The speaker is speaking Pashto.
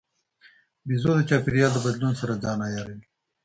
بیزو د چاپېریال د بدلون سره ځان عیاروي.